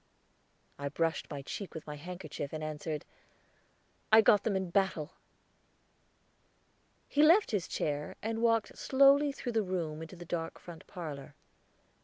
I brushed my cheek with my handkerchief, and answered, "I got them in battle." He left his chair, and walked slowly through the room into the dark front parlor.